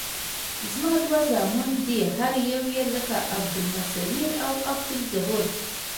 زما دوه زامن دي هر یو لکه عبدالمصویر او عبدالظهور.